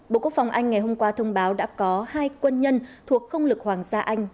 bộ quốc phòng anh ngày hôm qua thông báo đã có hai quân nhân thuộc không lực hoàng gia anh